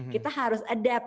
kita harus adapt